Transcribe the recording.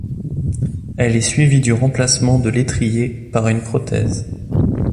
Elle est suivie du remplacement de l'étrier par une prothèse.